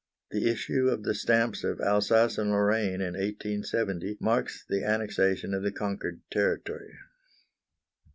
The issue of the stamps of Alsace and Lorraine in 1870 marks the annexation of the conquered territory.